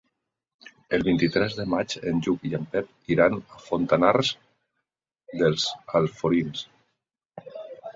El vint-i-tres de maig en Lluc i en Pep iran a Fontanars dels Alforins.